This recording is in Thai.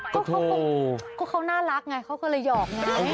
ก็เขาก็น่ารักไงเขาก็เลยหอกไง